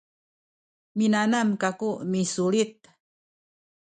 minanam kaku misulit